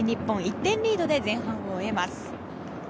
１点リードで前半を終えます。